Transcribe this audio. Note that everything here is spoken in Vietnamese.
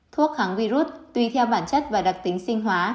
thuốc kháng virus tùy theo bản chất và đặc tính sinh hóa